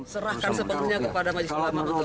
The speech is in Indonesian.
serahkan sepenuhnya kepada maju selama